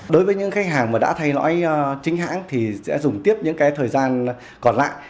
đối với những khách hàng mà đã thay lõi chính hãng thì sẽ dùng tiếp những cái thời gian còn lại